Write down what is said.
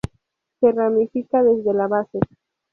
Se ramifica desde la base.